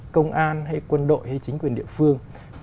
công an hay quân đội hay chính quyền địa phương